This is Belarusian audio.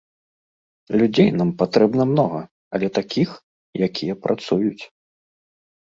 Людзей нам патрэбна многа, але такіх, якія працуюць.